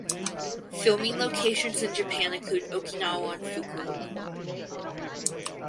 Filming locations in Japan include Okinawa and Fukuoka.